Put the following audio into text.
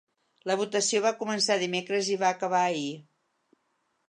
La votació va començar dimecres i va acabar ahir.